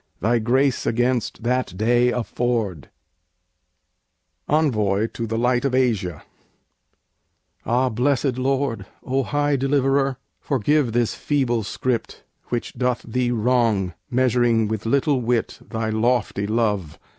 Thy grace against that day afford_. ENVOI TO 'THE LIGHT OF ASIA' Ah, Blessed Lord! Oh, High Deliverer! Forgive this feeble script which doth Thee wrong Measuring with little wit Thy lofty Love.